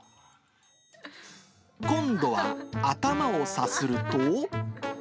今度は頭をさすると。